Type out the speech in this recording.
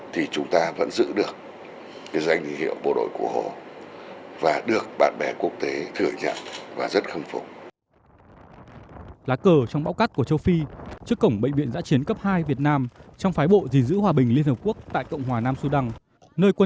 thì chúng ta vẫn giữ được danh hình hiệu bộ đội của hồ